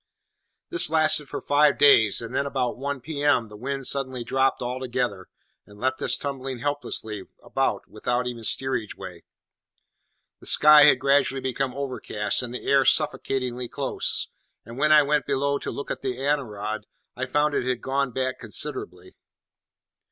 This lasted for five days, and then, about one p.m., the wind suddenly dropped altogether, and left us tumbling helplessly about without even steerage way. The sky had gradually become overcast, and the air suffocatingly close, and when I went below to look at the aneroid, I found it had gone back considerably.